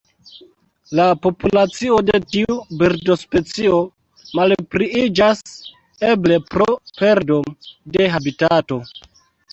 La populacio de tiu birdospecio malpliiĝas, eble pro perdo de habitato.